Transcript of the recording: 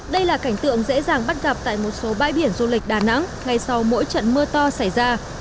đây là cảnh tượng dễ dàng bắt gặp tại một số bãi biển du lịch đà nẵng ngay sau mỗi trận mưa to xảy ra